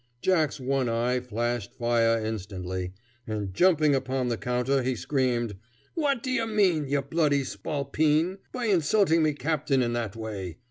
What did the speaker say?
Jack's one eye flashed fire instantly, and jumping upon the counter he screamed, "What d'ye mean, ye bloody spalpeen, by insultin' me captain in that way?